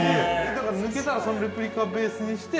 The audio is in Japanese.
◆だから抜けたら、そのレプリカをベースにして。